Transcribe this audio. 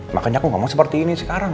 makanya aku nggak mau seperti ini sekarang